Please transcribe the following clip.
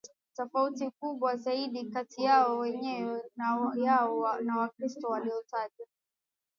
tofauti kubwa zaidi kati yao wenyewe na kati yao na Wakristo waliotajwa